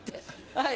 はい。